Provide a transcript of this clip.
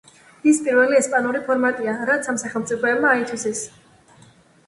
ის პირველი ესპანური ფორმატია, რაც ამ სახელმწიფოებმა აითვისეს.